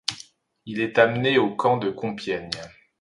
Il est emmené au camp de Compiègne.